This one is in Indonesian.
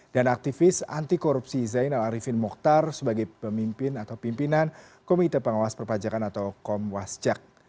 aktivis anti korupsi zainal arifin mokhtar sebagai pemimpin atau pimpinan komite pengawas perpajakan atau komwasjak